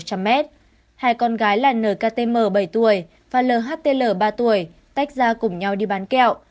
hai con gái là nktm bảy tuổi và lhtl ba tuổi tách ra cùng nhau đi bán kẹo